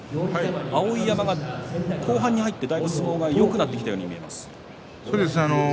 碧山は後半になってだいぶ相撲はよくなってきたように見えます。